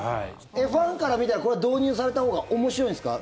ファンから見たらこれは導入されたほうが面白いんですか？